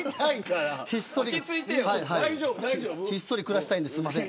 ひっそりと暮らしたいんですすいません。